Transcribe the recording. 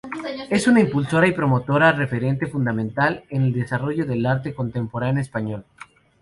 Es una impulsora y promotora referente fundamental en el desarrollo del Arte Contemporáneo español.